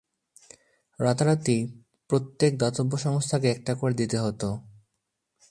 রাতারাতি, প্রত্যেক দাতব্য সংস্থাকে একটা করে দিতে হতো।